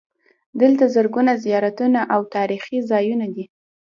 دلته زرګونه زیارتونه او تاریخي ځایونه دي.